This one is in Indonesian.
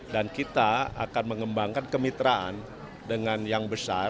dan kita akan mengembangkan kemitraan dengan yang besar